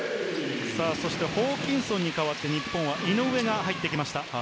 ホーキンソンに代わって、日本は井上が入ってきました。